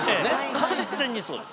完全にそうです。